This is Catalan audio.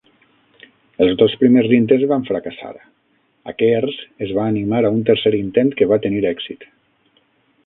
Els dos primers intents van fracassar; Akers es va animar a un tercer intent que va tenir èxit.